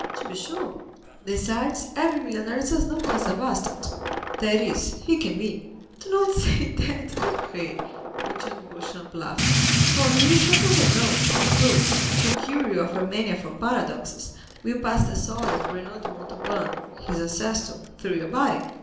"To be sure; besides, every millionaire is as noble as a bastard—that is, he can be." "Do not say that, Debray," returned Beauchamp, laughing, "for here is Château Renaud, who, to cure you of your mania for paradoxes, will pass the sword of Renaud de Montauban, his ancestor, through your body."